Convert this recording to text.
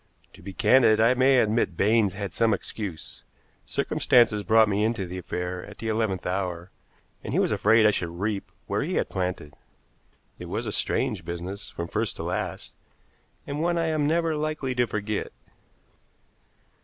To be candid, I may admit Baines had some excuse. Circumstances brought me into the affair at the eleventh hour, and he was afraid I should reap where he had planted. It was a strange business from first to last, and one I am never likely to forget.